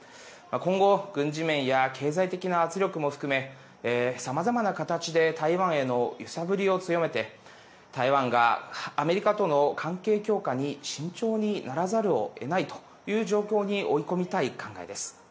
今後軍事面や経済的な圧力も含めさまざまな形で台湾への揺さぶりを強めて台湾がアメリカとの関係強化に慎重にならざるをえないという状況に追い込みたい考えです。